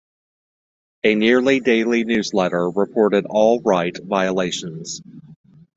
A nearly daily newsletter reported all right violations.